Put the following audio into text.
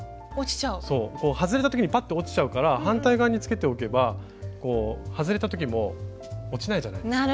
外れた時にパッと落ちちゃうから反対側につけておけば外れた時も落ちないじゃないですか。